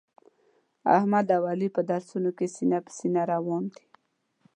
احمد او علي په درسونو کې سینه په سینه روان دي.